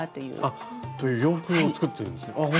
あっという洋服を作ってるほんとだ。